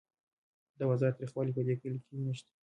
د بازار تریخوالی په دې کلي کې نشته.